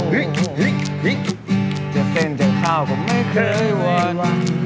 เฮ้จะเต้นเต้นข้าวก็ไม่เคยหวัง